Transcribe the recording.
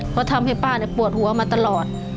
เพราะทำให้ป้าปวดหัวมาตลอด